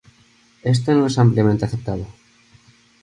Esto no es ampliamente aceptado.